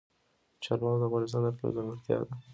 چار مغز د افغانستان د اقلیم ځانګړتیا ده.